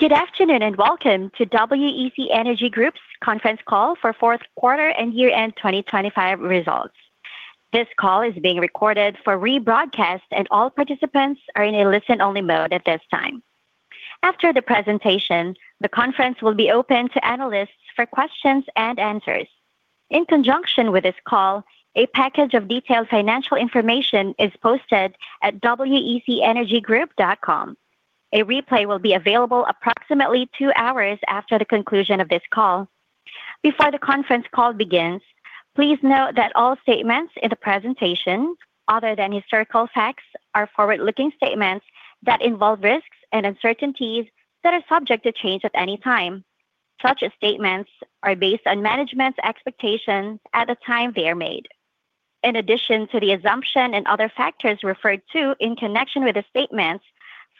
Good afternoon, and welcome to WEC Energy Group's Conference Call for Fourth Quarter and Year-End 2025 Results. This call is being recorded for rebroadcast, and all participants are in a listen-only mode at this time. After the presentation, the conference will be open to analysts for questions and answers. In conjunction with this call, a package of detailed financial information is posted at wecenergygroup.com. A replay will be available approximately two hours after the conclusion of this call. Before the conference call begins, please note that all statements in the presentation, other than historical facts, are forward-looking statements that involve risks and uncertainties that are subject to change at any time. Such statements are based on management's expectations at the time they are made. In addition to the assumption and other factors referred to in connection with the statements,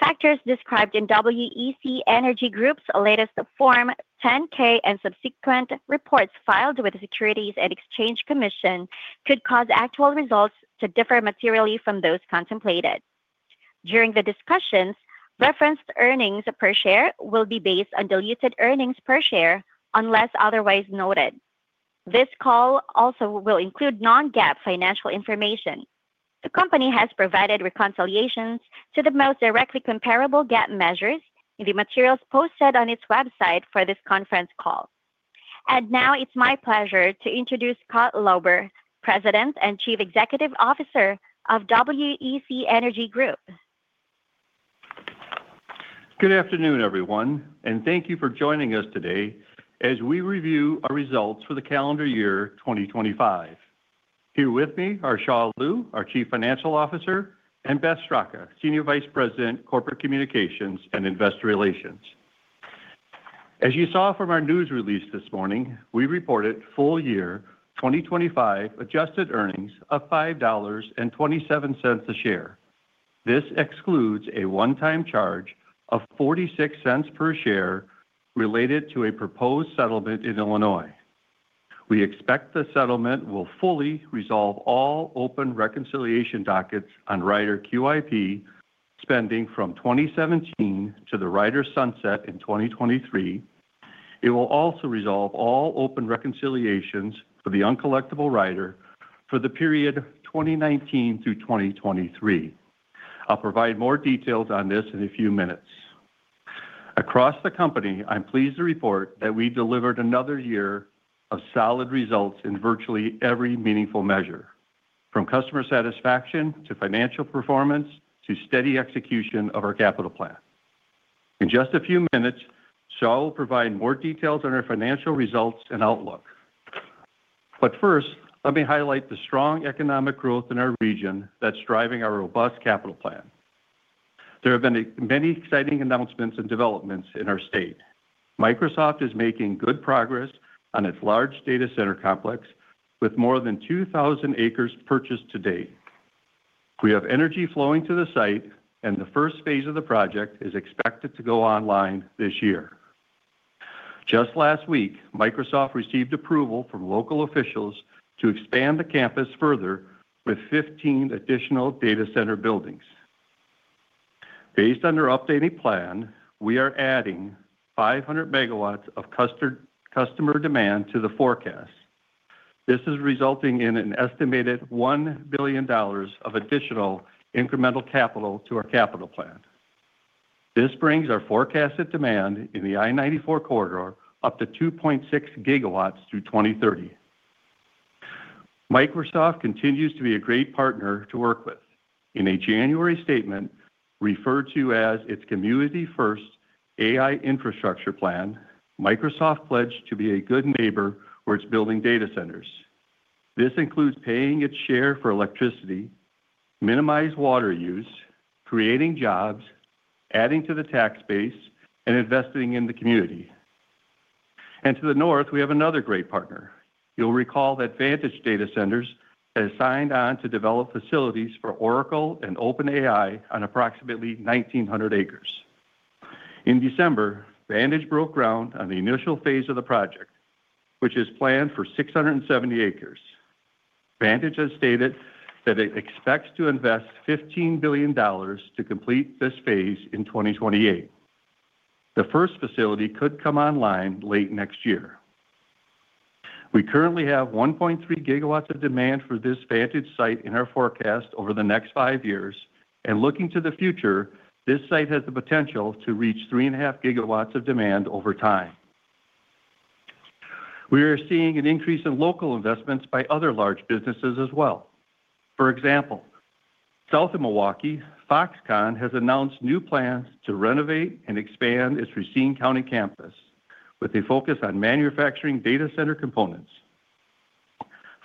factors described in WEC Energy Group's latest Form 10-K and subsequent reports filed with the Securities and Exchange Commission could cause actual results to differ materially from those contemplated. During the discussions, referenced earnings per share will be based on diluted earnings per share unless otherwise noted. This call also will include non-GAAP financial information. The company has provided reconciliations to the most directly comparable GAAP measures in the materials posted on its website for this conference call. And now it's my pleasure to introduce Scott Lauber, President and Chief Executive Officer of WEC Energy Group. Good afternoon, everyone, and thank you for joining us today as we review our results for the calendar year 2025. Here with me are Xia Liu, our Chief Financial Officer, and Beth Straka, Senior Vice President, Corporate Communications and Investor Relations. As you saw from our news release this morning, we reported full year 2025 adjusted earnings of $5.27 a share. This excludes a one-time charge of $0.46 per share related to a proposed settlement in Illinois. We expect the settlement will fully resolve all open reconciliation dockets on Rider QIP, spending from 2017 to the Rider sunset in 2023. It will also resolve all open reconciliations for the uncollectible rider for the period 2019 through 2023. I'll provide more details on this in a few minutes. Across the company, I'm pleased to report that we delivered another year of solid results in virtually every meaningful measure, from customer satisfaction to financial performance, to steady execution of our capital plan. In just a few minutes, Xia will provide more details on our financial results and outlook. But first, let me highlight the strong economic growth in our region that's driving our robust capital plan. There have been many exciting announcements and developments in our state. Microsoft is making good progress on its large data center complex, with more than 2,000 acres purchased to date. We have energy flowing to the site, and the first phase of the project is expected to go online this year. Just last week, Microsoft received approval from local officials to expand the campus further with 15 additional data center buildings. Based on their updated plan, we are adding 500 MW of customer demand to the forecast. This is resulting in an estimated $1 billion of additional incremental capital to our capital plan. This brings our forecasted demand in the I-94 corridor up to 2.6 GW through 2030. Microsoft continues to be a great partner to work with. In a January statement, referred to as its Community First AI Infrastructure Plan, Microsoft pledged to be a good neighbor where it's building data centers. This includes paying its share for electricity, minimize water use, creating jobs, adding to the tax base, and investing in the community. And to the north, we have another great partner. You'll recall that Vantage Data Centers has signed on to develop facilities for Oracle and OpenAI on approximately 1,900 acres. In December, Vantage broke ground on the initial phase of the project, which is planned for 670 acres. Vantage has stated that it expects to invest $15 billion to complete this phase in 2028. The first facility could come online late next year. We currently have 1.3 GW of demand for this Vantage site in our forecast over the next five years, and looking to the future, this site has the potential to reach 3.5 GW of demand over time. We are seeing an increase in local investments by other large businesses as well. For example, south of Milwaukee, Foxconn has announced new plans to renovate and expand its Racine County campus with a focus on manufacturing data center components.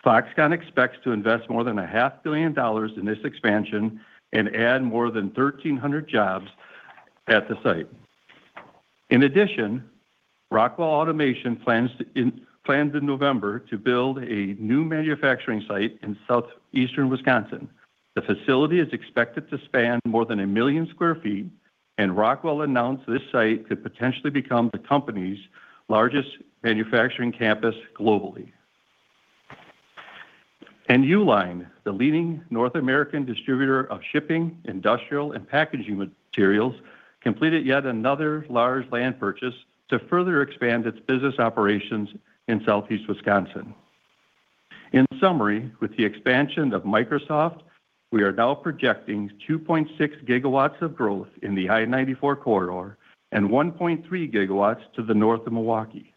Foxconn expects to invest more than $500 million in this expansion and add more than 1,300 jobs at the site. In addition, Rockwell Automation planned in November to build a new manufacturing site in Southeastern Wisconsin. The facility is expected to span more than 1 million sq ft, and Rockwell announced this site could potentially become the company's largest manufacturing campus globally. Uline, the leading North American distributor of shipping, industrial, and packaging materials, completed yet another large land purchase to further expand its business operations in Southeast Wisconsin. In summary, with the expansion of Microsoft, we are now projecting 2.6 GW of growth in the I-94 corridor and 1.3 GW to the north of Milwaukee,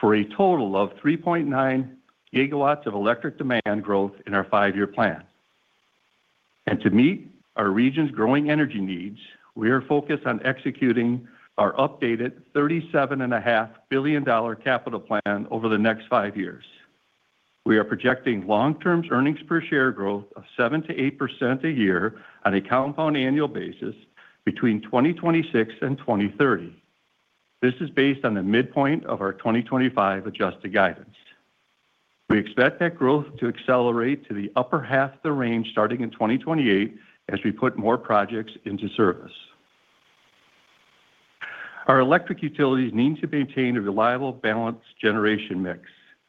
for a total of 3.9 GW of electric demand growth in our five-year plan. To meet our region's growing energy needs, we are focused on executing our updated $37.5 billion capital plan over the next 5 years. We are projecting long-term earnings per share growth of 7%-8% a year on a compound annual basis between 2026 and 2030. This is based on the midpoint of our 2025 adjusted guidance. We expect that growth to accelerate to the upper half of the range starting in 2028 as we put more projects into service. Our electric utilities need to maintain a reliable, balanced generation mix.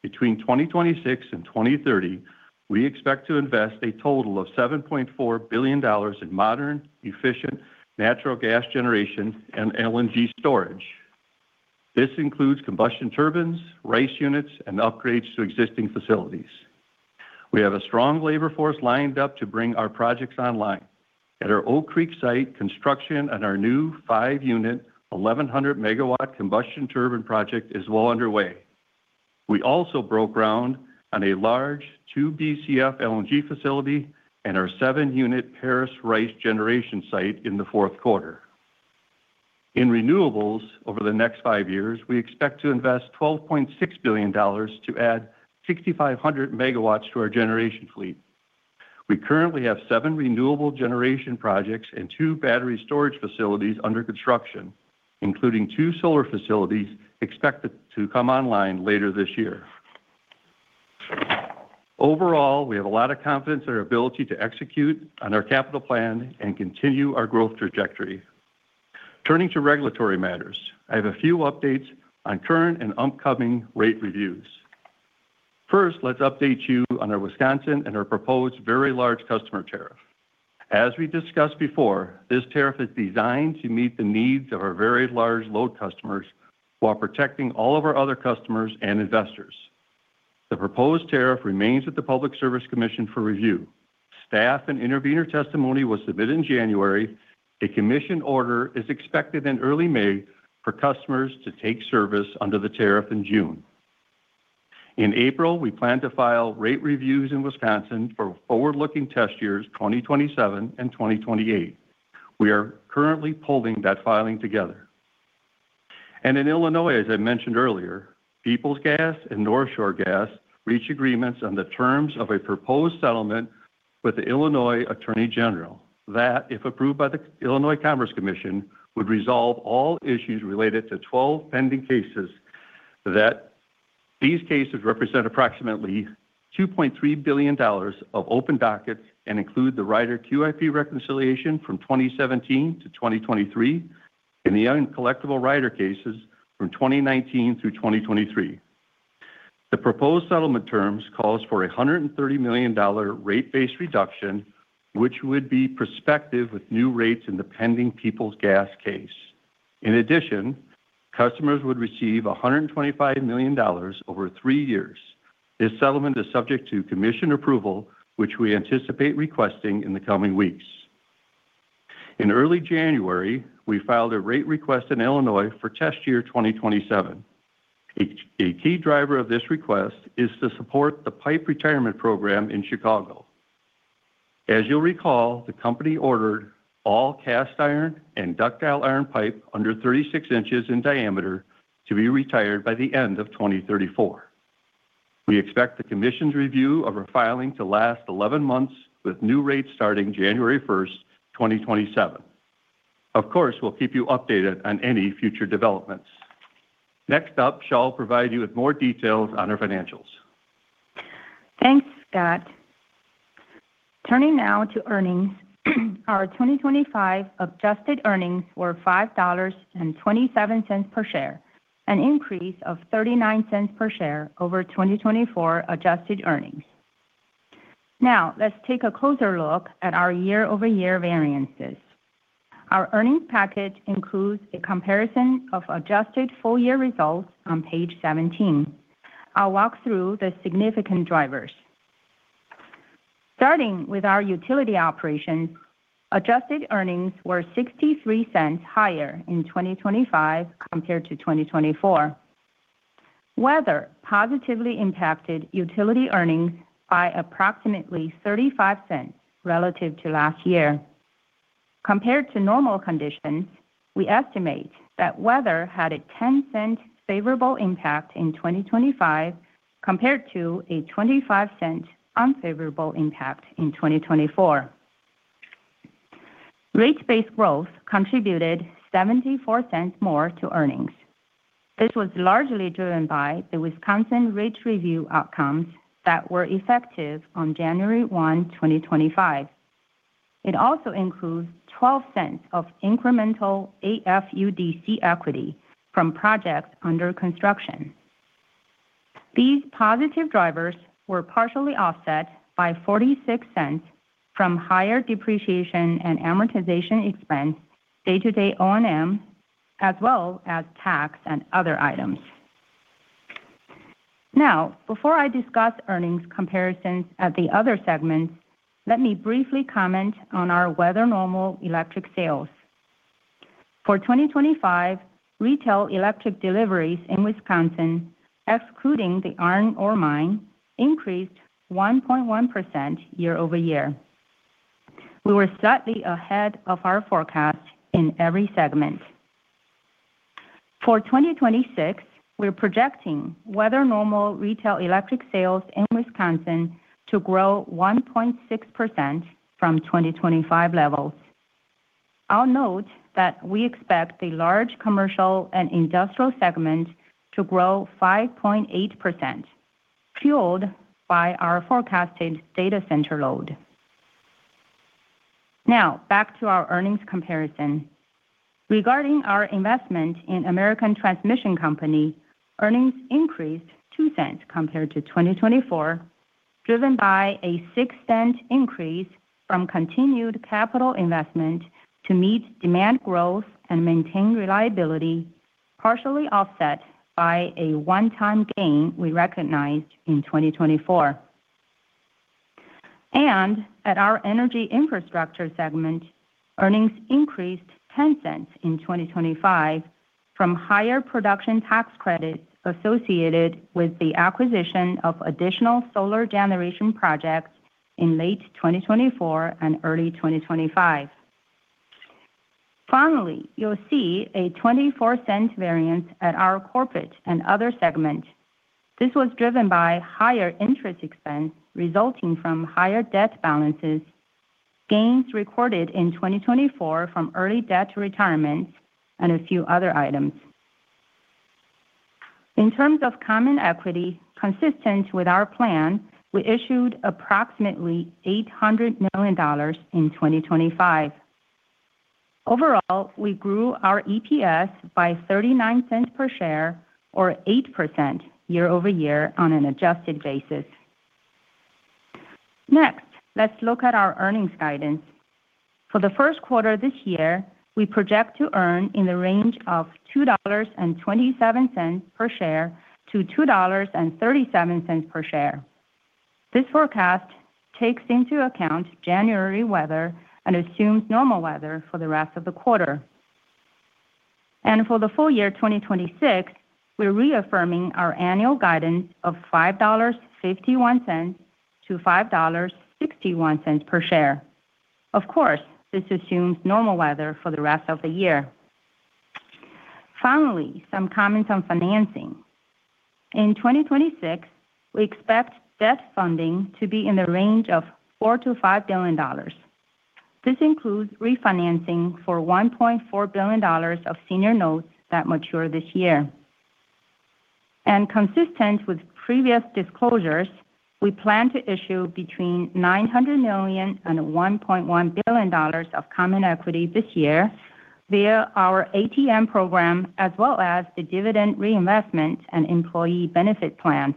Between 2026 and 2030, we expect to invest a total of $7.4 billion in modern, efficient natural gas generation and LNG storage. This includes combustion turbines, RICE units, and upgrades to existing facilities. We have a strong labor force lined up to bring our projects online. At our Oak Creek site, construction on our new 5-unit, 1,100-MW combustion turbine project is well underway. We also broke ground on a large 2 BCF LNG facility and our 7-unit Paris RICE generation site in the fourth quarter. In renewables, over the next five years, we expect to invest $12.6 billion to add 6,500 MW to our generation fleet. We currently have seve renewable generation projects and 2 battery storage facilities under construction, including two solar facilities expected to come online later this year. Overall, we have a lot of confidence in our ability to execute on our capital plan and continue our growth trajectory. Turning to regulatory matters, I have a few updates on current and upcoming rate reviews. First, let's update you on our Wisconsin and our proposed Very Large Customer tariff. As we discussed before, this tariff is designed to meet the needs of our very large load customers while protecting all of our other customers and investors. The proposed tariff remains with the Public Service Commission for review. Staff and intervener testimony was submitted in January. A commission order is expected in early May for customers to take service under the tariff in June. In April, we plan to file rate reviews in Wisconsin for forward-looking test years 2027 and 2028. We are currently pulling that filing together. In Illinois, as I mentioned earlier, Peoples Gas and North Shore Gas reached agreements on the terms of a proposed settlement with the Illinois Attorney General, that, if approved by the Illinois Commerce Commission, would resolve all issues related to 12 pending cases, that these cases represent approximately $2.3 billion of open dockets and include the Rider QIP reconciliation from 2017 to 2023, and the uncollectible rider cases from 2019 through 2023. The proposed settlement terms calls for a $130 million rate-based reduction, which would be prospective with new rates in the pending Peoples Gas case. In addition, customers would receive a $125 million over three years. This settlement is subject to commission approval, which we anticipate requesting in the coming weeks. In early January, we filed a rate request in Illinois for test year 2027. A key driver of this request is to support the pipe retirement program in Chicago. As you'll recall, the company ordered all cast iron and ductile iron pipe under 36 inches in diameter to be retired by the end of 2034. We expect the commission's review of our filing to last 11 months, with new rates starting January 1, 2027. Of course, we'll keep you updated on any future developments. Next up, Xia will provide you with more details on our financials. Thanks, Scott. Turning now to earnings, our 2025 adjusted earnings were $5.27 per share, an increase of $0.39 per share over 2024 adjusted earnings. Now, let's take a closer look at our year-over-year variances. Our earnings package includes a comparison of adjusted full-year results on page 17. I'll walk through the significant drivers. Starting with our utility operations, adjusted earnings were $0.63 higher in 2025 compared to 2024. Weather positively impacted utility earnings by approximately $0.35 relative to last year. Compared to normal conditions, we estimate that weather had a $0.10 favorable impact in 2025, compared to a $0.25 unfavorable impact in 2024. Rate-based growth contributed $0.74 more to earnings. This was largely driven by the Wisconsin rate review outcomes that were effective on January 1, 2025.... It also includes $0.12 of incremental AFUDC equity from projects under construction. These positive drivers were partially offset by $0.46 from higher depreciation and amortization expense, day-to-day O&M, as well as tax and other items. Now, before I discuss earnings comparisons at the other segments, let me briefly comment on our weather normal electric sales. For 2025, retail electric deliveries in Wisconsin, excluding the Iron Ore Mine, increased 1.1% year-over-year. We were slightly ahead of our forecast in every segment. For 2026, we're projecting weather normal retail electric sales in Wisconsin to grow 1.6% from 2025 levels. I'll note that we expect the large commercial and industrial segment to grow 5.8%, fueled by our forecasted data center load. Now, back to our earnings comparison. Regarding our investment in American Transmission Company, earnings increased $0.02 compared to 2024, driven by a $0.06 increase from continued capital investment to meet demand growth and maintain reliability, partially offset by a one-time gain we recognized in 2024. At our energy infrastructure segment, earnings increased $0.10 in 2025 from higher production tax credits associated with the acquisition of additional solar generation projects in late 2024 and early 2025. Finally, you'll see a $0.24 variance at our corporate and other segment. This was driven by higher interest expense resulting from higher debt balances, gains recorded in 2024 from early debt retirements, and a few other items. In terms of common equity, consistent with our plan, we issued approximately $800 million in 2025. Overall, we grew our EPS by 39 cents per share or 8% year-over-year on an adjusted basis. Next, let's look at our earnings guidance. For the first quarter this year, we project to earn in the range of $2.27 per share to $2.37 per share. This forecast takes into account January weather and assumes normal weather for the rest of the quarter. For the full year 2026, we're reaffirming our annual guidance of $5.51 to $5.61 per share. Of course, this assumes normal weather for the rest of the year. Finally, some comments on financing. In 2026, we expect debt funding to be in the range of $4 billion-$5 billion. This includes refinancing for $1.4 billion of senior notes that mature this year. Consistent with previous disclosures, we plan to issue between $900 million and $1.1 billion of common equity this year via our ATM program, as well as the dividend reinvestment and employee benefit plans.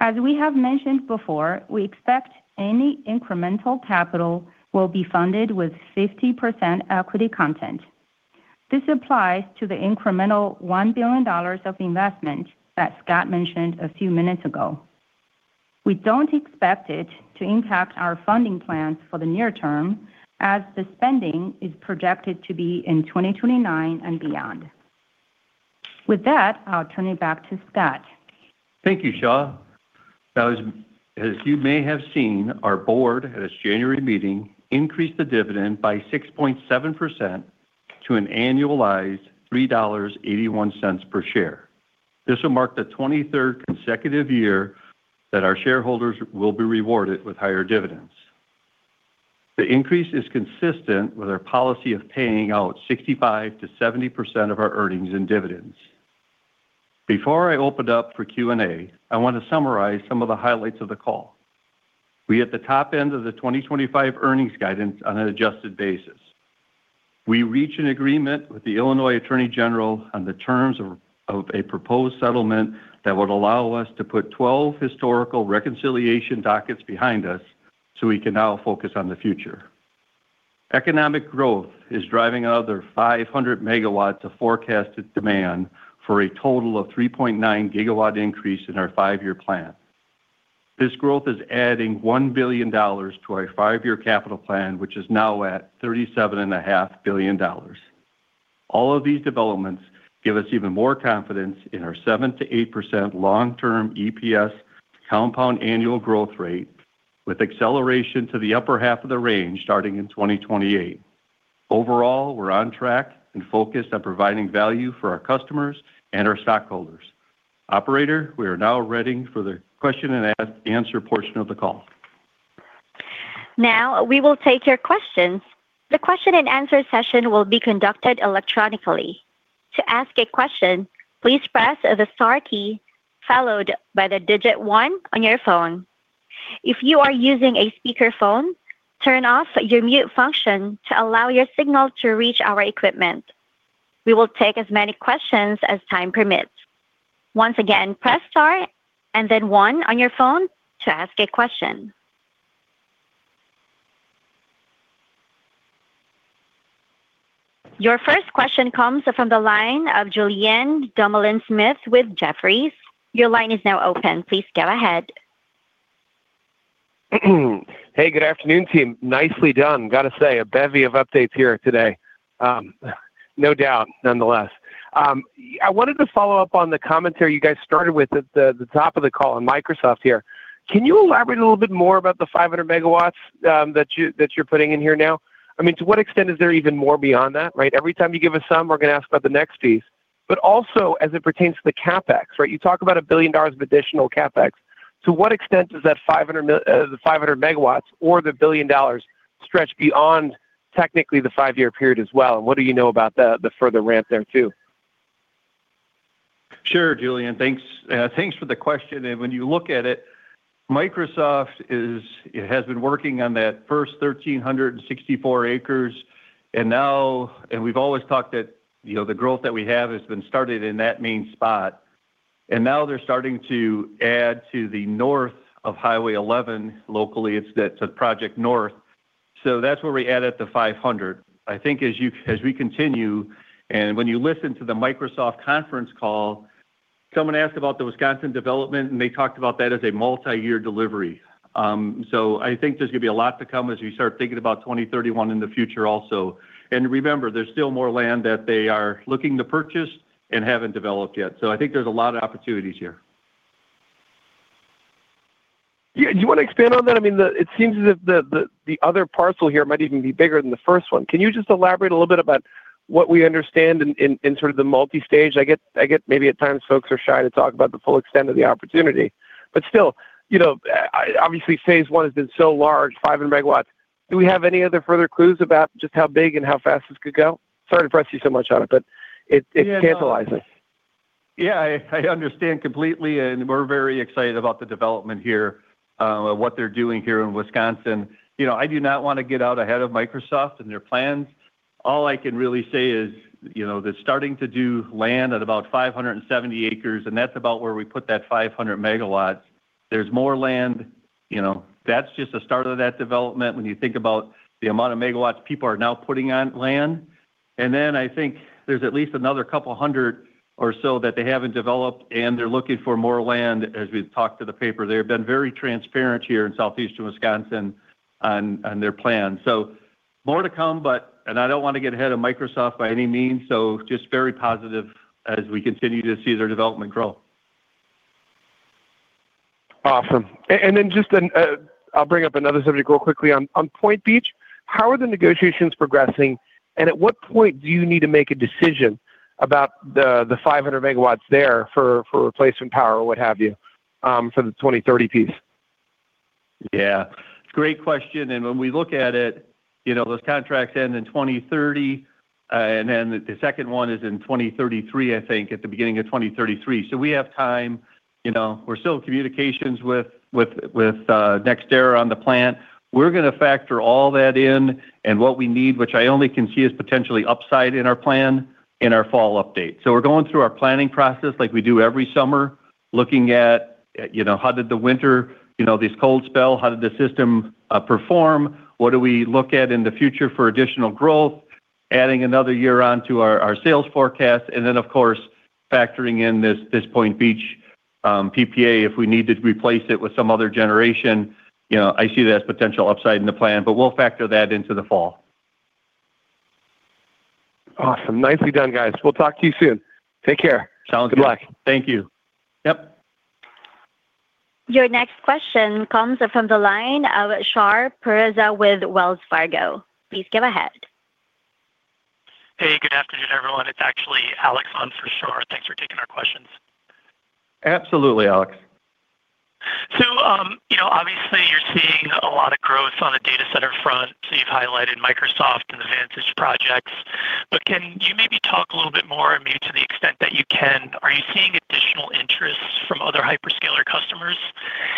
As we have mentioned before, we expect any incremental capital will be funded with 50% equity content. This applies to the incremental $1 billion of investment that Scott mentioned a few minutes ago. We don't expect it to impact our funding plans for the near term, as the spending is projected to be in 2029 and beyond. With that, I'll turn it back to Scott. Thank you, Xia. Now, as, as you may have seen, our board, at its January meeting, increased the dividend by 6.7% to an annualized $3.81 per share. This will mark the 23rd consecutive year that our shareholders will be rewarded with higher dividends. The increase is consistent with our policy of paying out 65%-70% of our earnings and dividends. Before I open it up for Q&A, I want to summarize some of the highlights of the call. We're at the top end of the 2025 earnings guidance on an adjusted basis. We reached an agreement with the Illinois Attorney General on the terms of, of a proposed settlement that would allow us to put 12 historical reconciliation dockets behind us, so we can now focus on the future. Economic growth is driving another 500 MW of forecasted demand, for a total of 3.9 GW increase in our five-year plan. This growth is adding $1 billion to our five-year capital plan, which is now at $37.5 billion. All of these developments give us even more confidence in our 7%-8% long-term EPS compound annual growth rate, with acceleration to the upper half of the range starting in 2028. Overall, we're on track and focused on providing value for our customers and our stockholders. Operator, we are now ready for the question-and-answer portion of the call. Now, we will take your questions. The question and answer session will be conducted electronically.... To ask a question, please press the star key, followed by the digit one on your phone. If you are using a speakerphone, turn off your mute function to allow your signal to reach our equipment. We will take as many questions as time permits. Once again, press star and then one on your phone to ask a question. Your first question comes from the line of Julien Dumoulin-Smith with Jefferies. Your line is now open. Please go ahead. Hey, good afternoon, team. Nicely done. Gotta say, a bevy of updates here today. No doubt, nonetheless. I wanted to follow up on the commentary you guys started with at the top of the call on Microsoft here. Can you elaborate a little bit more about the 500 MW that you're putting in here now? I mean, to what extent is there even more beyond that, right? Every time you give us some, we're gonna ask about the next piece. But also, as it pertains to the CapEx, right? You talk about $1 billion of additional CapEx. To what extent does that $500 million, the 500 MW or the $1 billion stretch beyond technically the five-year period as well, and what do you know about the further ramp there, too? Sure, Julien. Thanks. Thanks for the question, and when you look at it, Microsoft is—it has been working on that first 1,364 acres, and now... And we've always talked that, you know, the growth that we have has been started in that main spot. And now they're starting to add to the north of Highway 11. Locally, it's that, it's Project North. So that's where we add at the 500. I think as you, as we continue, and when you listen to the Microsoft conference call, someone asked about the Wisconsin development, and they talked about that as a multi-year delivery. So I think there's gonna be a lot to come as we start thinking about 2031 in the future also. And remember, there's still more land that they are looking to purchase and haven't developed yet. I think there's a lot of opportunities here. Yeah, do you wanna expand on that? I mean, it seems as if the other parcel here might even be bigger than the first one. Can you just elaborate a little bit about what we understand in sort of the multi-stage? I get maybe at times folks are shy to talk about the full extent of the opportunity, but still, you know, obviously, phase one has been so large, 500 MW. Do we have any other further clues about just how big and how fast this could go? Sorry to press you so much on it, but it- Yeah. -it tantalizes. Yeah, I understand completely, and we're very excited about the development here, what they're doing here in Wisconsin. You know, I do not want to get out ahead of Microsoft and their plans. All I can really say is, you know, they're starting to do land at about 570 acres, and that's about where we put that 500 MW. There's more land, you know. That's just the start of that development when you think about the amount of megawatts people are now putting on land. And then I think there's at least another couple hundred or so that they haven't developed, and they're looking for more land, as we've talked to the paper. They have been very transparent here in Southeastern Wisconsin on their plans. So more to come, but... I don't want to get ahead of Microsoft by any means, so just very positive as we continue to see their development grow. Awesome. And then just an, I'll bring up another subject real quickly. On Point Beach, how are the negotiations progressing, and at what point do you need to make a decision about the 500 MW there for replacement power or what have you, for the 2030 piece? Yeah. Great question, and when we look at it, you know, those contracts end in 2030, and then the second one is in 2033, I think, at the beginning of 2033. So we have time. You know, we're still in communications with NextEra on the plan. We're gonna factor all that in and what we need, which I only can see as potentially upside in our plan, in our fall update. So we're going through our planning process like we do every summer, looking at, you know, how did the winter, you know, this cold spell, how did the system perform? What do we look at in the future for additional growth? Adding another year on to our sales forecast, and then, of course, factoring in this Point Beach PPA, if we need to replace it with some other generation. You know, I see that as potential upside in the plan, but we'll factor that into the fall. Awesome. Nicely done, guys. We'll talk to you soon. Take care. Sounds good. Good luck. Thank you. Yep. Your next question comes from the line of Shar Pourreza with Wells Fargo. Please go ahead. Hey, good afternoon, everyone. It's actually Alex on for Shar. Thanks for taking our questions. Absolutely, Alex. So, you know, obviously, you're seeing a lot of growth on the data center front, so you've highlighted Microsoft and the Vantage projects. But can you maybe talk a little bit more, maybe to the extent that you can, are you seeing additional interest from other hyperscaler customers?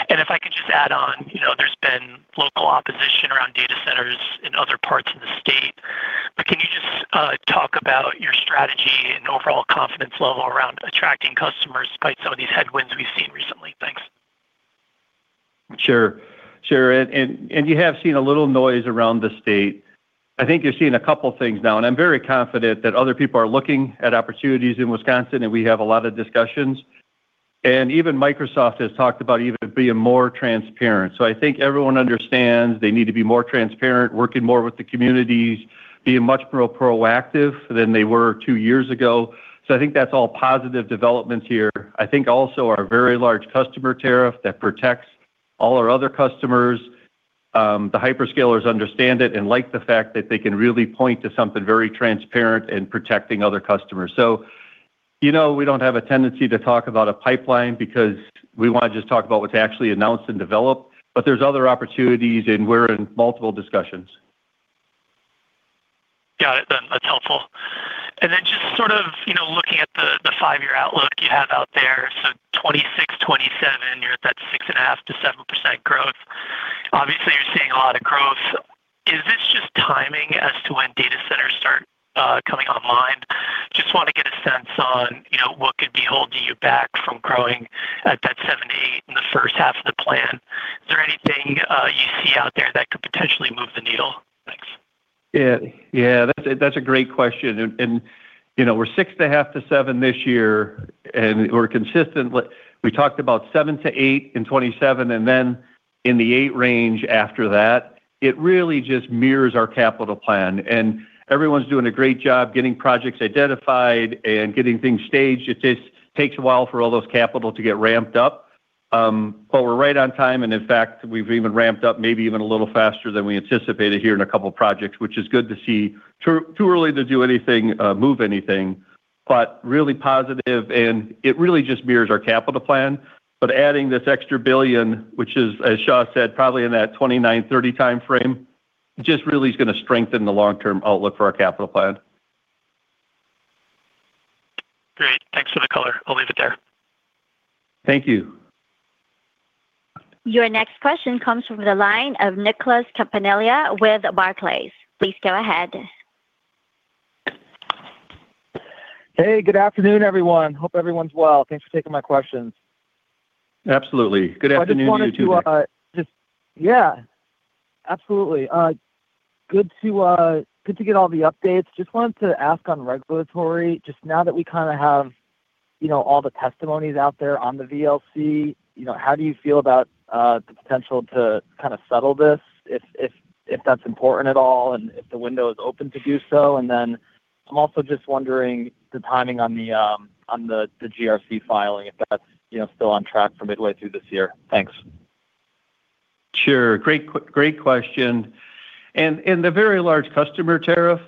And if I could just add on, you know, there's been local opposition around data centers in other parts of the state, but can you just talk about your strategy and overall confidence level around attracting customers despite some of these headwinds we've seen recently? Thanks. Sure. Sure, you have seen a little noise around the state. I think you're seeing a couple things now, and I'm very confident that other people are looking at opportunities in Wisconsin, and we have a lot of discussions. Even Microsoft has talked about even being more transparent. So I think everyone understands they need to be more transparent, working more with the communities, being much more proactive than they were two years ago. So I think that's all positive developments here. I think also our very large customer tariff that protects all our other customers, the hyperscalers understand it and like the fact that they can really point to something very transparent in protecting other customers. So... You know, we don't have a tendency to talk about a pipeline because we want to just talk about what's actually announced and developed, but there's other opportunities, and we're in multiple discussions. Got it. That's helpful. And then just sort of, you know, looking at the five-year outlook you have out there, so 2026, 2027, you're at that 6.5%-7% growth. Obviously, you're seeing a lot of growth. Is this just timing as to when data centers start coming online? Just want to get a sense on, you know, what could be holding you back from growing at that 7%-8% in the first half of the plan. Is there anything you see out there that could potentially move the needle? Thanks. Yeah. Yeah, that's a great question. And, you know, we're 6.5-7 this year, and we're consistent. We talked about 7-8 in 2027, and then in the 8 range after that. It really just mirrors our capital plan, and everyone's doing a great job getting projects identified and getting things staged. It just takes a while for all those capital to get ramped up. But we're right on time, and in fact, we've even ramped up maybe even a little faster than we anticipated here in a couple projects, which is good to see. Too early to do anything, move anything, but really positive, and it really just mirrors our capital plan. But adding this extra $1 billion, which is, as Xia said, probably in that 2029, 2030 time frame, just really is gonna strengthen the long-term outlook for our capital plan. Great. Thanks for the color. I'll leave it there. Thank you. Your next question comes from the line of Nicholas Campanella with Barclays. Please go ahead. Hey, good afternoon, everyone. Hope everyone's well. Thanks for taking my questions. Absolutely. Good afternoon to you- I just wanted to. Yeah, absolutely. Good to get all the updates. Just wanted to ask on regulatory, just now that we kind of have, you know, all the testimonies out there on the VLC, you know, how do you feel about the potential to kind of settle this if that's important at all, and if the window is open to do so? And then I'm also just wondering the timing on the GRC filing, if that's, you know, still on track for midway through this year. Thanks. Sure. Great question. And in the very large customer tariff,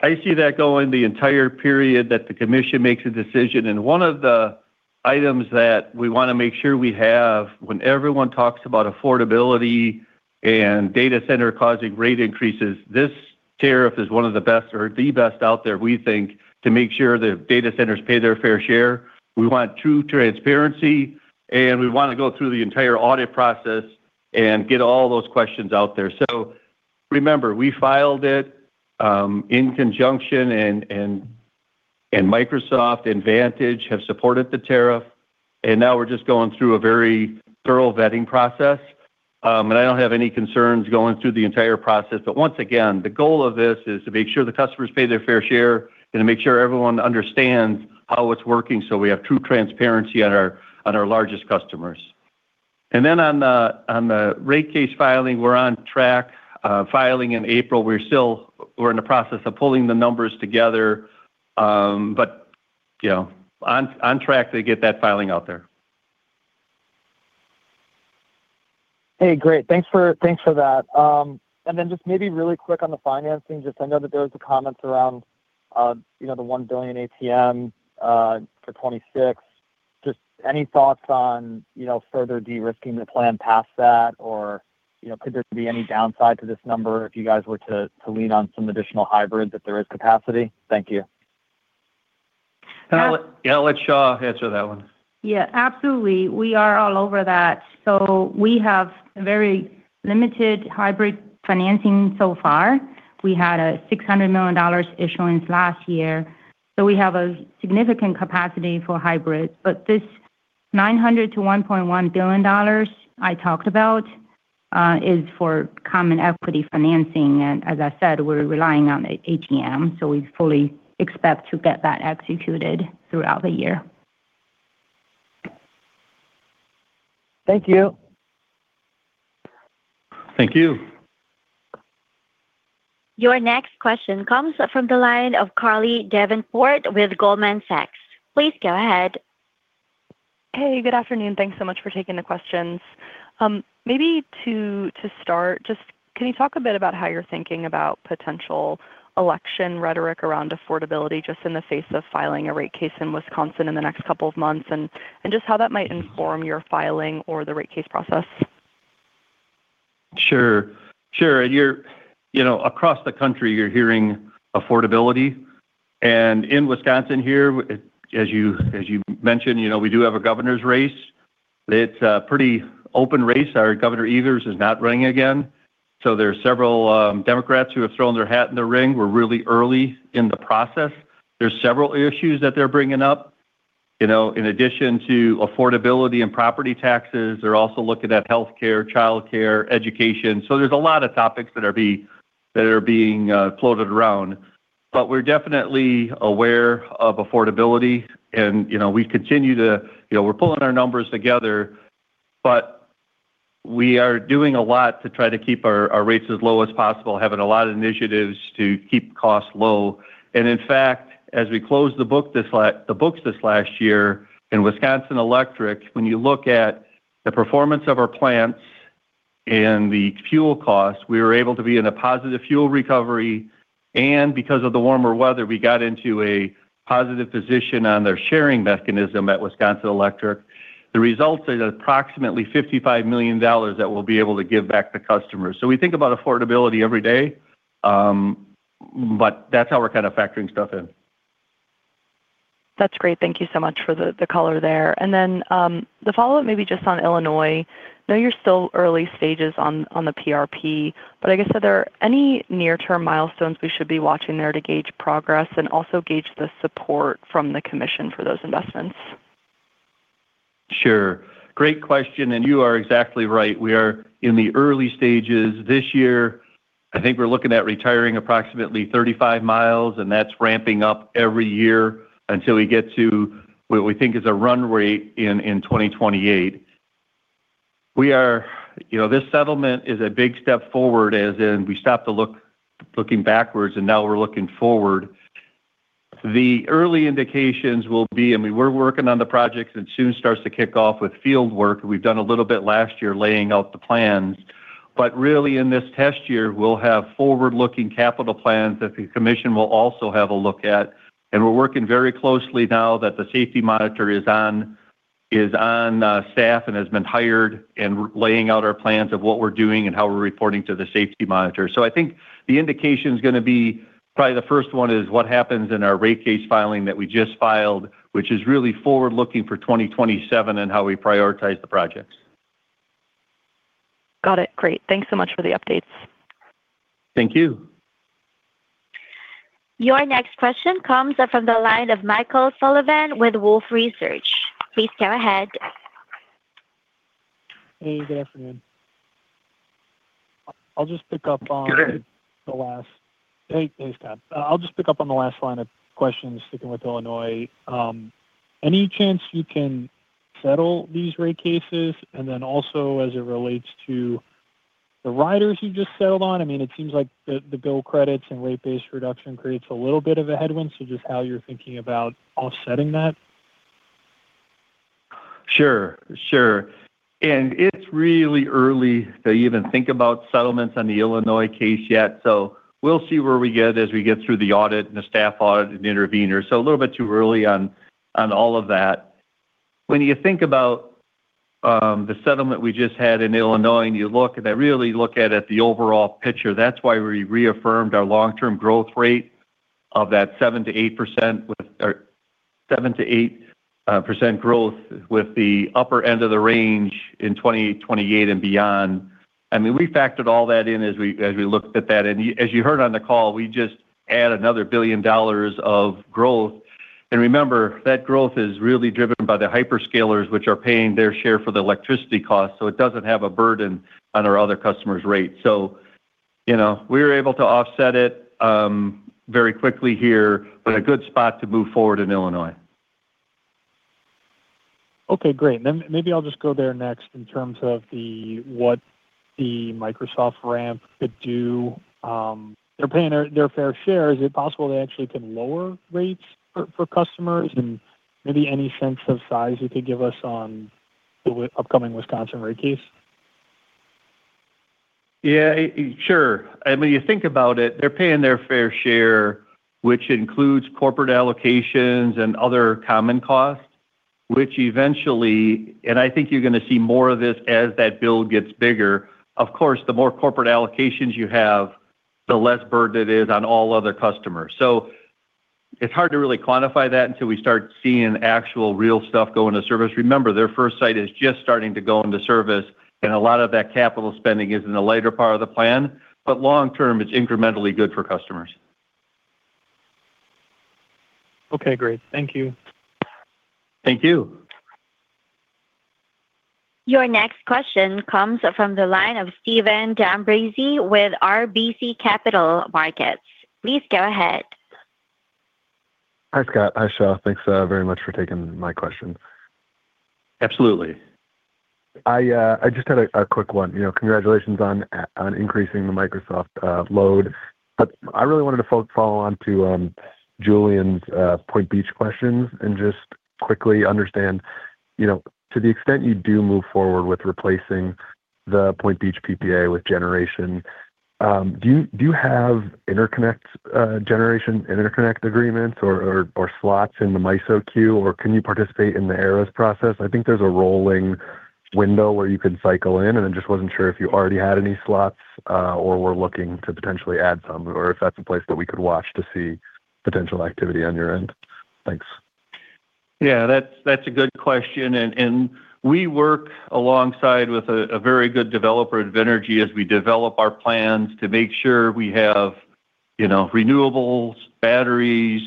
I see that going the entire period that the commission makes a decision. And one of the items that we want to make sure we have when everyone talks about affordability and data center causing rate increases, this tariff is one of the best or the best out there, we think, to make sure the data centers pay their fair share. We want true transparency, and we want to go through the entire audit process and get all those questions out there. So remember, we filed it in conjunction, and Microsoft and Vantage have supported the tariff, and now we're just going through a very thorough vetting process. And I don't have any concerns going through the entire process. But once again, the goal of this is to make sure the customers pay their fair share and to make sure everyone understands how it's working, so we have true transparency on our largest customers. And then on the rate case filing, we're on track, filing in April. We're in the process of pulling the numbers together, but, you know, on track to get that filing out there. Hey, great. Thanks for that. And then just maybe really quick on the financing. Just, I know that there was a comment around, you know, the $1 billion ATM for 2026. Just any thoughts on, you know, further de-risking the plan past that, or, you know, could there be any downside to this number if you guys were to lean on some additional hybrids if there is capacity? Thank you. Yeah. I'll let Xia answer that one. Yeah, absolutely. We are all over that. We have very limited hybrid financing so far. We had a $600 million issuance last year, so we have a significant capacity for hybrid. But this $900 million-$1.1 billion I talked about is for common equity financing, and as I said, we're relying on the ATM, so we fully expect to get that executed throughout the year. Thank you. Thank you. Your next question comes from the line of Carly Davenport with Goldman Sachs. Please go ahead. Hey, good afternoon. Thanks so much for taking the questions. Maybe to start, just can you talk a bit about how you're thinking about potential election rhetoric around affordability, just in the face of filing a rate case in Wisconsin in the next couple of months, and just how that might inform your filing or the rate case process? Sure. Sure. You know, across the country, you're hearing affordability, and in Wisconsin here, as you mentioned, you know, we do have a governor's race. It's a pretty open race. Our Governor Evers is not running again, so there are several Democrats who have thrown their hat in the ring. We're really early in the process. There's several issues that they're bringing up. You know, in addition to affordability and property taxes, they're also looking at healthcare, childcare, education. So there's a lot of topics that are being floated around. But we're definitely aware of affordability and, you know, we continue to. You know, we're pulling our numbers together, but we are doing a lot to try to keep our rates as low as possible, having a lot of initiatives to keep costs low. In fact, as we close the books this last year in Wisconsin Electric, when you look at the performance of our plants and the fuel costs, we were able to be in a positive fuel recovery, and because of the warmer weather, we got into a positive position on their sharing mechanism at Wisconsin Electric. The results is approximately $55 million that we'll be able to give back to customers. So we think about affordability every day, but that's how we're kind of factoring stuff in. That's great. Thank you so much for the color there. And then, the follow-up, maybe just on Illinois. I know you're still early stages on the PRP, but I guess, are there any near-term milestones we should be watching there to gauge progress and also gauge the support from the commission for those investments? Sure. Great question, and you are exactly right. We are in the early stages. This year, I think we're looking at retiring approximately 35 miles, and that's ramping up every year until we get to what we think is a run rate in 2028. We are, you know, this settlement is a big step forward, as in we stopped looking backwards, and now we're looking forward. The early indications will be, I mean, we're working on the projects, and soon starts to kick off with field work. We've done a little bit last year, laying out the plans, but really in this test year, we'll have forward-looking capital plans that the commission will also have a look at. We're working very closely now that the safety monitor is on staff and has been hired and laying out our plans of what we're doing and how we're reporting to the safety monitor. So I think the indication is gonna be, probably the first one is what happens in our rate case filing that we just filed, which is really forward-looking for 2027 and how we prioritize the projects. Got it. Great. Thanks so much for the updates. Thank you. Your next question comes up from the line of Michael Sullivan with Wolfe Research. Please go ahead. Hey, good afternoon. I'll just pick up on- Good day. Hey, hey, Scott. I'll just pick up on the last line of questions, sticking with Illinois. Any chance you can settle these rate cases? And then also, as it relates to the riders you just settled on, I mean, it seems like the bill credits and rate base reduction creates a little bit of a headwind, so just how you're thinking about offsetting that. Sure, sure. It's really early to even think about settlements on the Illinois case yet. So we'll see where we get as we get through the audit and the staff audit and intervener. So a little bit too early on all of that. When you think about the settlement we just had in Illinois, and you look at that, really look at it, the overall picture, that's why we reaffirmed our long-term growth rate of 7%-8% with the upper end of the range in 2028 and beyond. I mean, we factored all that in as we looked at that. And as you heard on the call, we just add another $1 billion of growth. Remember, that growth is really driven by the hyperscalers, which are paying their share for the electricity cost, so it doesn't have a burden on our other customers' rates. So, you know, we were able to offset it very quickly here, but a good spot to move forward in Illinois. Okay, great. Then maybe I'll just go there next in terms of the, what the Microsoft ramp could do. They're paying their fair share. Is it possible they actually can lower rates for customers? And maybe any sense of size you could give us on the upcoming Wisconsin rate case? Yeah, sure. I mean, you think about it, they're paying their fair share, which includes corporate allocations and other common costs, which eventually, and I think you're gonna see more of this as that bill gets bigger. Of course, the more corporate allocations you have, the less burden it is on all other customers. So it's hard to really quantify that until we start seeing actual, real stuff go into service. Remember, their first site is just starting to go into service, and a lot of that capital spending is in the later part of the plan, but long term, it's incrementally good for customers. Okay, great. Thank you. Thank you. Your next question comes from the line of Steven D'Ambrisi with RBC Capital Markets. Please go ahead. Hi, Scott. Hi, Xia. Thanks, very much for taking my question. Absolutely. I just had a quick one. You know, congratulations on increasing the Microsoft load. But I really wanted to follow on to Julien's Point Beach questions and just quickly understand, you know, to the extent you do move forward with replacing the Point Beach PPA with generation, do you have interconnect generation interconnect agreements or slots in the MISO queue, or can you participate in the [arrows] process? I think there's a rolling window where you can cycle in, and I just wasn't sure if you already had any slots or were looking to potentially add some, or if that's a place that we could watch to see potential activity on your end. Thanks. Yeah, that's, that's a good question, and, and we work alongside with a, a very good developer of energy as we develop our plans to make sure we have, you know, renewables, batteries,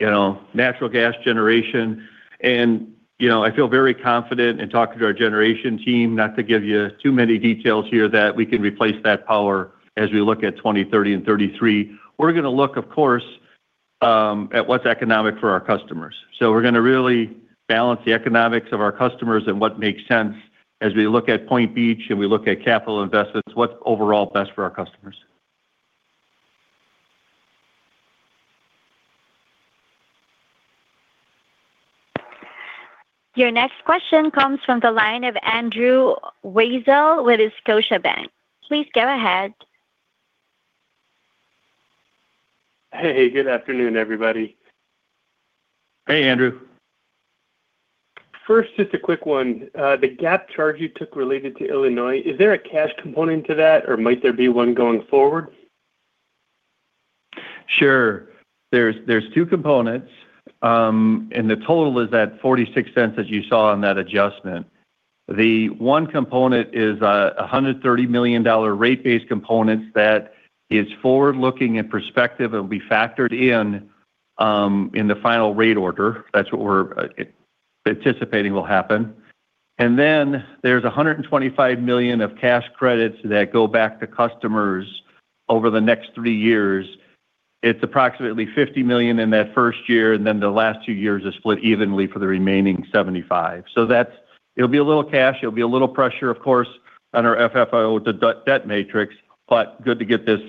you know, natural gas generation. And, you know, I feel very confident in talking to our generation team, not to give you too many details here, that we can replace that power as we look at 2030 and 2033. We're gonna look, of course, at what's economic for our customers. So we're gonna really balance the economics of our customers and what makes sense as we look at Point Beach and we look at capital investments, what's overall best for our customers?... Your next question comes from the line of Andrew Weisel with Scotiabank. Please go ahead. Hey, good afternoon, everybody. Hey, Andrew. First, just a quick one. The gap charge you took related to Illinois, is there a cash component to that, or might there be one going forward? Sure. There's two components, and the total is at $0.46, as you saw on that adjustment. The one component is a $130 million rate-based component that is forward-looking in perspective and will be factored in in the final rate order. That's what we're anticipating will happen. And then there's a $125 million of cash credits that go back to customers over the next three years. It's approximately $50 million in that first year, and then the last two years are split evenly for the remaining $75 million. So that's it. It'll be a little cash. It'll be a little pressure, of course, on our FFO to debt matrix, but good to get this,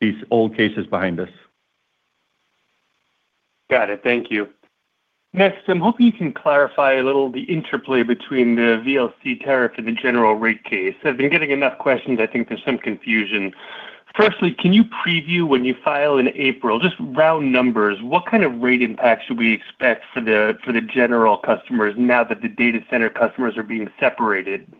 these old cases behind us. Got it. Thank you. Next, I'm hoping you can clarify a little the interplay between the VLC tariff and the general rate case. I've been getting enough questions. I think there's some confusion. Firstly, can you preview when you file in April, just round numbers, what kind of rate impact should we expect for the general customers now that the data center customers are being separated?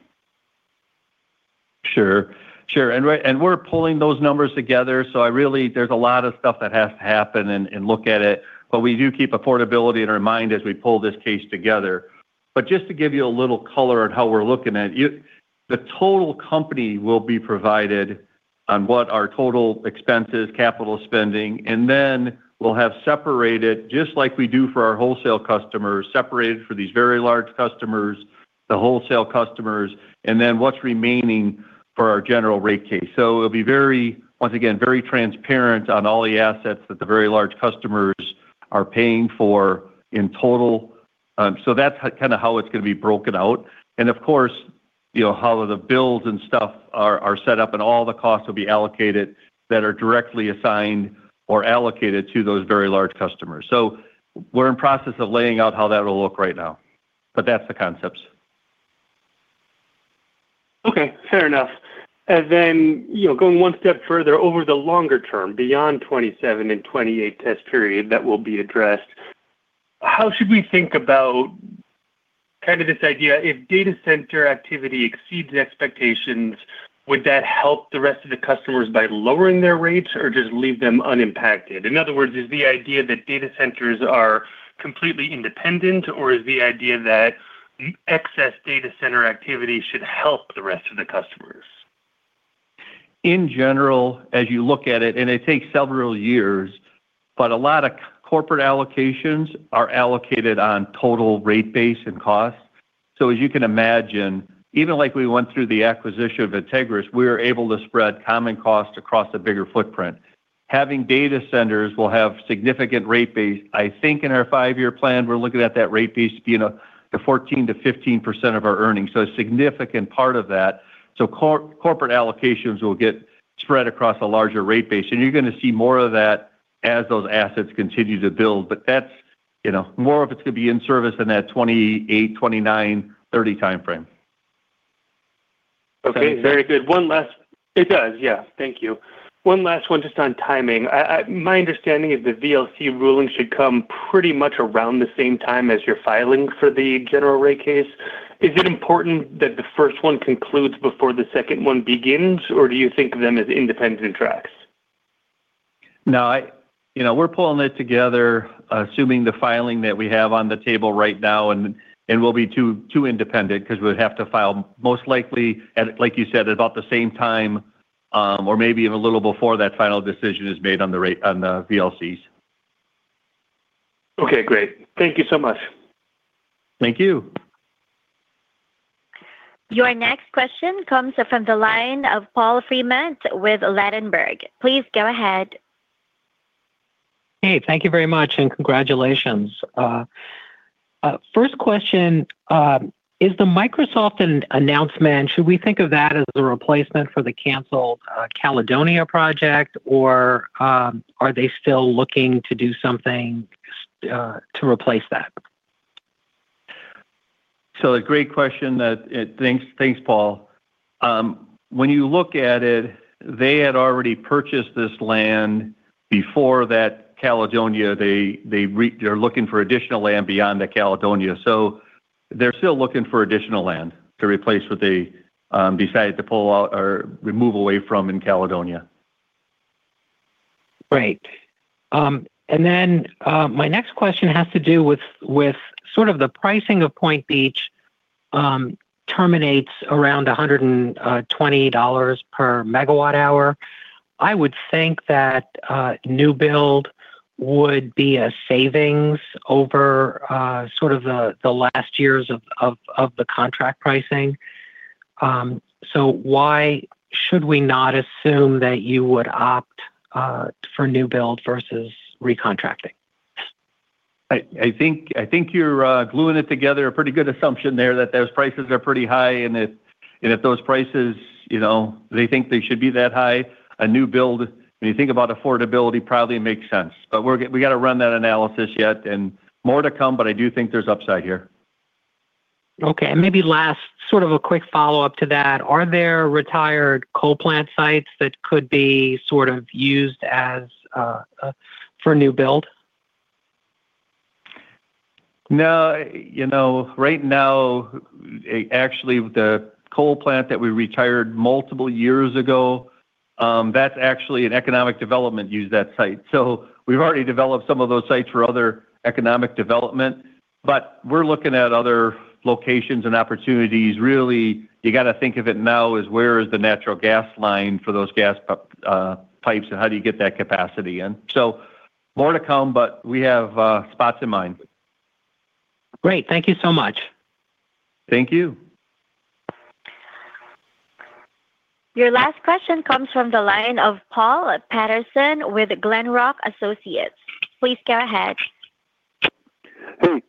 Sure. Sure. And right, and we're pulling those numbers together, so I really—there's a lot of stuff that has to happen and, and look at it, but we do keep affordability in our mind as we pull this case together. But just to give you a little color on how we're looking at it, you—the total company will be provided on what our total expenses, capital spending, and then we'll have separated, just like we do for our wholesale customers, separated for these very large customers, the wholesale customers, and then what's remaining for our general rate case. So it'll be very, once again, very transparent on all the assets that the very large customers are paying for in total. So that's kind of how it's going to be broken out. And of course, you know, how the bills and stuff are set up and all the costs will be allocated that are directly assigned or allocated to those very large customers. So we're in process of laying out how that will look right now, but that's the concepts. Okay, fair enough. And then, you know, going one step further, over the longer term, beyond 2027 and 2028 test period that will be addressed, how should we think about kind of this idea: If data center activity exceeds expectations, would that help the rest of the customers by lowering their rates or just leave them unimpacted? In other words, is the idea that data centers are completely independent, or is the idea that excess data center activity should help the rest of the customers? In general, as you look at it, and it takes several years, but a lot of corporate allocations are allocated on total rate base and cost. So as you can imagine, even like we went through the acquisition of Integrys, we are able to spread common cost across a bigger footprint. Having data centers will have significant rate base. I think in our five-year plan, we're looking at that rate base to be in the 14%-15% of our earnings, so a significant part of that. So corporate allocations will get spread across a larger rate base, and you're gonna see more of that as those assets continue to build. But that's, you know, more of it's going to be in service in that 2028, 2029, 2030 timeframe. Okay, very good. One last- It does, yeah. Thank you. One last one, just on timing. I... My understanding is the VLC ruling should come pretty much around the same time as you're filing for the general rate case. Is it important that the first one concludes before the second one begins, or do you think of them as independent tracks? No, you know, we're pulling it together, assuming the filing that we have on the table right now, and we'll be two independent, because we would have to file, most likely, at, like you said, about the same time, or maybe even a little before that final decision is made on the rate, on the VLCs. Okay, great. Thank you so much. Thank you. Your next question comes from the line of Paul Fremont with Ladenburg. Please go ahead. Hey, thank you very much, and congratulations. First question, is the Microsoft announcement, should we think of that as a replacement for the canceled Caledonia project, or are they still looking to do something to replace that? So a great question that, Thanks, thanks, Paul. When you look at it, they had already purchased this land before that Caledonia. They're looking for additional land beyond the Caledonia, so they're still looking for additional land to replace what they decided to pull out or remove away from in Caledonia. Great. And then, my next question has to do with sort of the pricing of Point Beach, which terminates around $120 per MWh. I would think that new build would be a savings over sort of the last years of the contract pricing. So why should we not assume that you would opt for new build versus recontracting? I think you're gluing it together a pretty good assumption there, that those prices are pretty high. And if those prices, you know, they think they should be that high, a new build, when you think about affordability, probably makes sense. But we gotta run that analysis yet, and more to come, but I do think there's upside here. Okay. Maybe last, sort of a quick follow-up to that, are there retired coal plant sites that could be sort of used as for new build? No, you know, right now, actually, the coal plant that we retired multiple years ago, that's actually an economic development use, that site. So we've already developed some of those sites for other economic development. But we're looking at other locations and opportunities. Really, you gotta think of it now as where is the natural gas line for those gas pipes, and how do you get that capacity in? So more to come, but we have, spots in mind. Great, thank you so much. Thank you. Your last question comes from the line of Paul Patterson with Glenrock Associates. Please go ahead. Hey,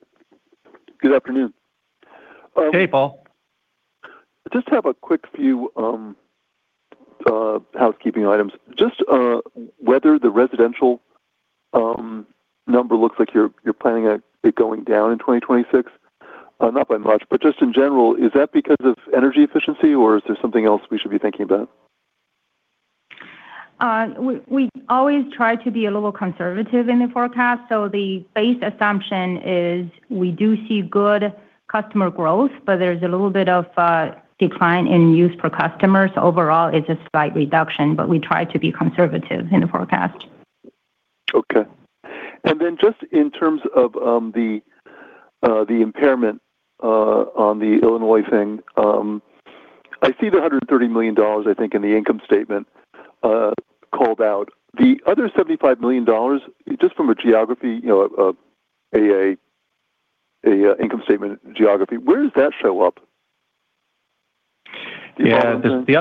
good afternoon. Hey, Paul. I just have a quick few housekeeping items. Just whether the residential number looks like you're planning it going down in 2026, not by much, but just in general, is that because of energy efficiency, or is there something else we should be thinking about? We always try to be a little conservative in the forecast. So the base assumption is we do see good customer growth, but there's a little bit of decline in use per customer. So overall, it's a slight reduction, but we try to be conservative in the forecast. Okay. And then just in terms of the impairment on the Illinois thing, I see the $130 million, I think, in the income statement called out. The other $75 million, just from a geography, you know, an income statement geography, where does that show up? Yeah, the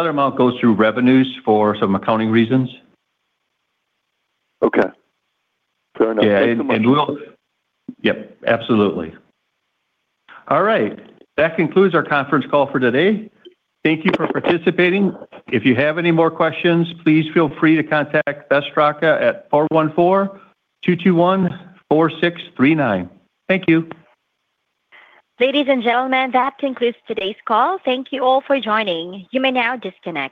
other amount goes through revenues for some accounting reasons. Okay, fair enough. Yeah, and we'll- Thank you so much. Yep, absolutely. All right, that concludes our conference call for today. Thank you for participating. If you have any more questions, please feel free to contact Beth Straka at 414-221-4639. Thank you. Ladies and gentlemen, that concludes today's call. Thank you all for joining. You may now disconnect.